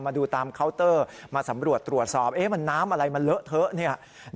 มาดูตามเคาน์เตอร์มาสำรวจตรวจสอบมันน้ำอะไรมันเลอะเทอะเนี่ย